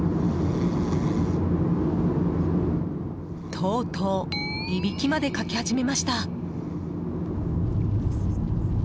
とうとういびきまでかき始めました。